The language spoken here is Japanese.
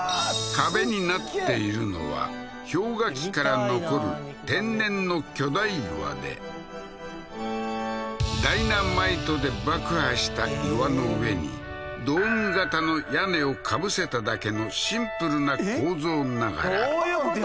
壁になっているのは氷河期から残る天然の巨大岩でダイナマイトで爆破した岩の上にドーム型の屋根を被せただけのシンプルな構造ながらどういうこと？